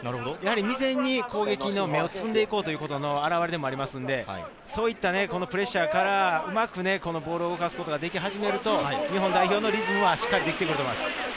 未然に量を積んでいこうと表れだと思うので、プレッシャーからうまくボールを動かすことができ始めると日本代表のリズムはしっかりできてくると思います。